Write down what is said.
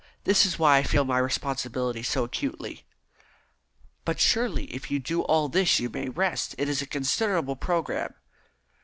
That is why I feel my responsibility so acutely." "But surely if you will do all this you may rest. It is a considerable programme."